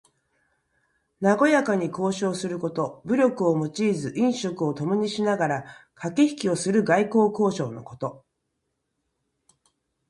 なごやかに交渉すること。武力を用いず飲食をともにしながらかけひきをする外交交渉のこと。